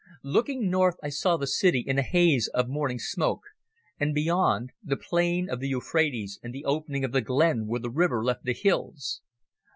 Looking north I saw the city in a haze of morning smoke, and, beyond, the plain of the Euphrates and the opening of the glen where the river left the hills.